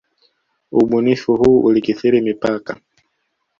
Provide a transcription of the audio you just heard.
Ubainifu huu ulikithiri mipaka.